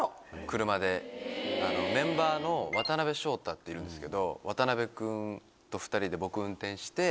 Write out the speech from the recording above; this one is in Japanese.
メンバーの渡辺翔太っているんですけど渡辺君と２人で。